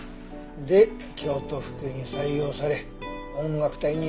で京都府警に採用され音楽隊に配属ですか。